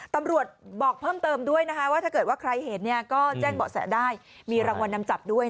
ตำรวจบอกเพิ่มเติมด้วยนะฮะว่าถ้าใครเห็นแจ้งเหมาะแสด้มีรางวานนำจับด้วย